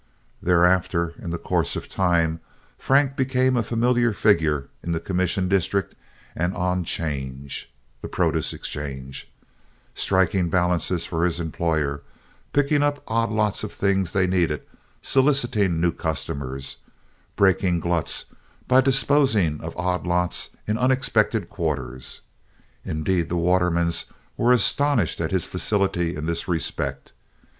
Thereafter, in the course of time, Frank became a familiar figure in the commission district and on 'change (the Produce Exchange), striking balances for his employer, picking up odd lots of things they needed, soliciting new customers, breaking gluts by disposing of odd lots in unexpected quarters. Indeed the Watermans were astonished at his facility in this respect.